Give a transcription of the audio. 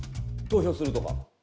投票するとか。